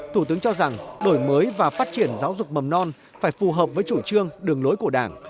thủ tướng cho rằng đổi mới và phát triển giáo dục mầm non phải phù hợp với chủ trương đường lối của đảng